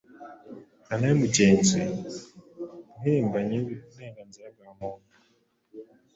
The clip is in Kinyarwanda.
René Mugenzi, impirimbanyi y'uburenganzira bwa muntu